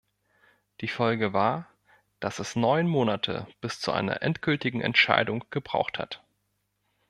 Die Folge war, dass es neun Monate bis zur einer endgültigen Entscheidung gebraucht hat.